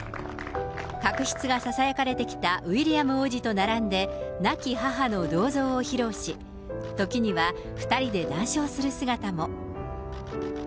確執がささやかれてきたウィリアム王子と並んで亡き母の銅像を披露し、時には、２人で談笑する姿も。